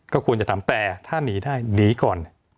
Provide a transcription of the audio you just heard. ก็ควรจะทำแต่ถ้าหนีได้หนีก่อน